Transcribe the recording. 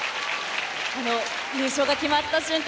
優勝が決まった瞬間